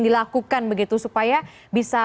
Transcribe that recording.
dilakukan begitu supaya bisa